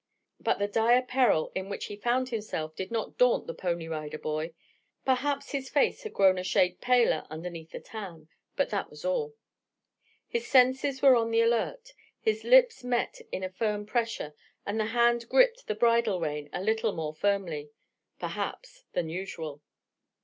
But the dire peril in which he found himself did not daunt the Pony Rider Boy. Perhaps his face had grown a shade paler underneath the tan, but that was all. His senses were on the alert, his lips met in a firm pressure and the hand gripped the bridle rein a little more firmly, perhaps, than usual.